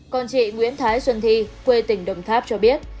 còn chị nguyễn thái xuân thi quê tỉnh đồng tháp cho biết